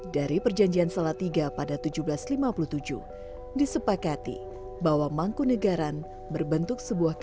dari perjanjian salatiga pada seribu tujuh ratus lima puluh tujuh disepakati bahwa mangkunegaran berbentuk sebuah kawasan